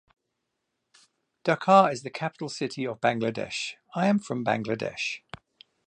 Dhaka is the capital city of Bangladesh. I am from Bangladesh.